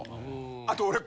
あと。